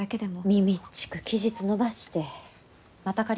みみっちく期日延ばしてまた借りて？